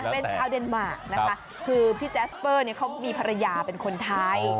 เป็นชาวเดนมาร์นะคะคือพี่แจสเปอร์เนี่ยเขามีภรรยาเป็นคนไทย